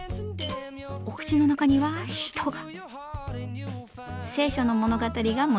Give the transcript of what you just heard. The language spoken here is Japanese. お口の中には人が。